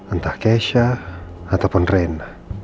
entah kesha ataupun ren